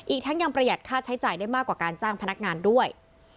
อีกทั้งยังประหยัดค่าใช้จ่ายได้มากกว่าการจ้างพนักงานด้วย